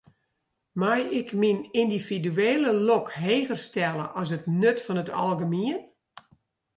Mei ik myn yndividuele lok heger stelle as it nut fan it algemien?